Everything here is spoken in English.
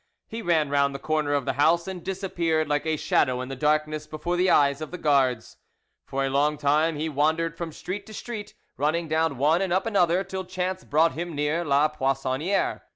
He ran round the corner of the house, and disappeared like a shadow in the darkness before the eyes of the guards. For a long time he wandered from street to street, running down one and up another, till chance brought him near La Poissonniere.